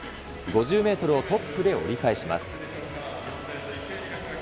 ５０メートルをトップで折り返します。